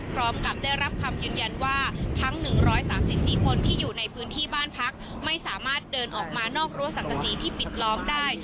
พร้อมกับได้รับคำยืนยันว่าทั้ง๑๓๔คนที่อยู่ในพื้นที่บ้านพักไม่สามารถเดินออกมานอกรั้วสังกษีที่ปิดล้อมได้